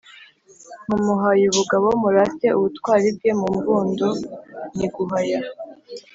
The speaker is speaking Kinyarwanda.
Mumuhaye (ubugabo): murate ubutwari bwe. Mu mbundo ni “guhaya.”